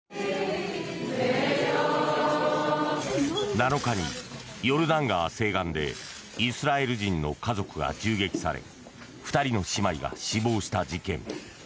７日にヨルダン川西岸でイスラエル人の家族が銃撃され２人の姉妹が死亡した事件。